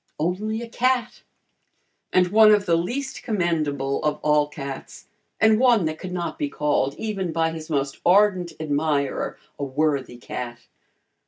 Only a cat! And one of the least commendable of all cats, and one that could not be called, even by his most ardent admirer, a worthy cat.